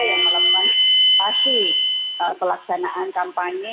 yang melengkapi pelaksanaan kampanye